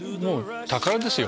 宝ですよ